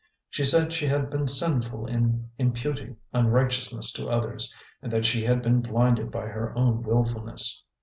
She said she had been sinful in imputing unrighteousness to others, and that she had been blinded by her own wilfulness.